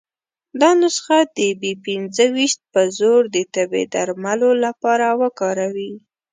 دا نسخه د بي پنځه ویشت په زور د تبې درملو لپاره وکاروي.